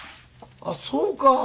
あっそうかー。